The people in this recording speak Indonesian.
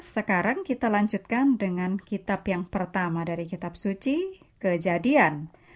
sekarang kita lanjutkan dengan kitab yang pertama dari kitab suci kejadian